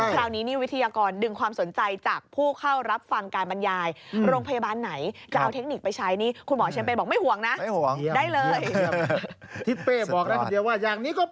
คราวนี้นี่วิทยากรดึงความสนใจจากผู้เข้ารับฟังการบรรยาย